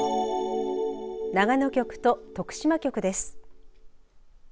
長野局と徳島局です。